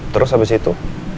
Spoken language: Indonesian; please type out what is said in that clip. terus abis itu